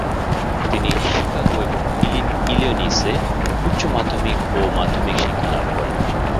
তিনি শিকাগো এবং ইলিয়নিসে উচ্চ মাধ্যমিক ও মাধ্যমিক শিক্ষা লাভ করেন।